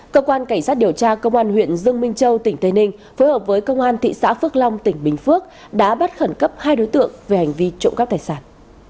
cơ quan cảnh sát điều tra công an huyện dương minh châu tỉnh tây ninh phối hợp với công an thị xã phước long tỉnh bình phước đã bắt khẩn cấp hai đối tượng về hành vi trộm cắp tài sản